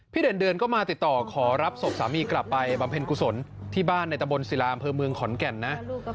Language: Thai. เดือนเดือนก็มาติดต่อขอรับศพสามีกลับไปบำเพ็ญกุศลที่บ้านในตะบนศิลาอำเภอเมืองขอนแก่นนะ